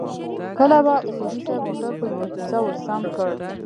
کله به اصولي صیب موټر پر يوه کوڅه ورسم کړ.